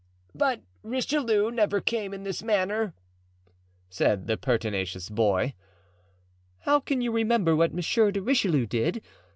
"But Richelieu never came in this manner," said the pertinacious boy. "How can you remember what Monsieur de Richelieu did?